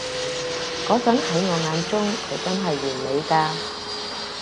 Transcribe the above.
嗰陣喺我眼中，佢真係完美㗎